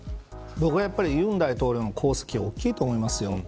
僕は尹大統領の功績は大きいと思います。